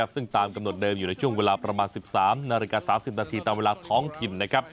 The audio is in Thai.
ซึ่งตามกำหนดเดิมอยู่ในช่วงเวลาประมาณ๑๓นาฬิกา๓๐นาทีตามเวลาท้องถิ่นนะครับ